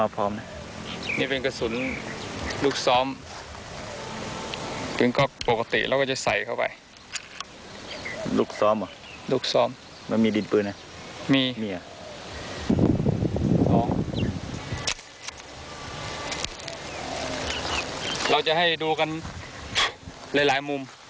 อันนี้ใส่ลูกเข้าไปแล้วครับเดี๋ยวลองดูได้